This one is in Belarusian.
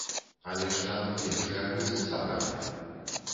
Але ж там лепшыя гульцы сабраныя!